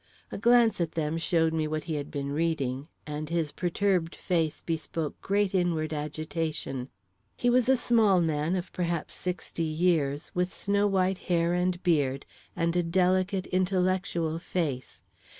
A glance at them showed me what he had been reading, and his perturbed face bespoke great inward agitation. He was a small man of perhaps sixty years, with snow white hair and beard and a delicate, intellectual face.